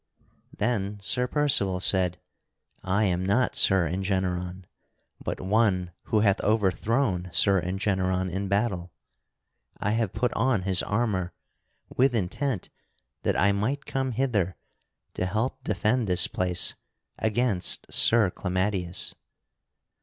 [Sidenote: Sir Percival entereth Beaurepaire] Then Sir Percival said: "I am not Sir Engeneron, but one who hath overthrown Sir Engeneron in battle. I have put on his armor with intent that I might come hither to help defend this place against Sir Clamadius."